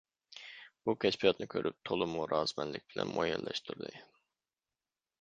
بۇ كەشپىياتنى كۆرۈپ تولىمۇ رازىمەنلىك بىلەن مۇئەييەنلەشتۈردى.